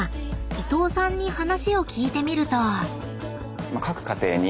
伊藤さんに話を聞いてみると］